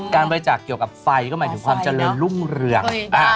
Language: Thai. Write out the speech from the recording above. การบริจาคเกี่ยวกับไฟก็หมายถึงความเจริญรุ่งเรือง